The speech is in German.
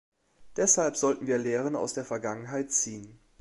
Deshalb sollten wir Lehren aus der Vergangenheit ziehen.